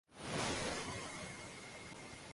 鳥取県琴浦町